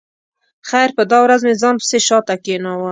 خیر په دا ورځ مې ځان پسې شا ته کېناوه.